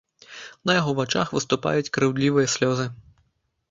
На яго вачах выступаюць крыўдлівыя слёзы.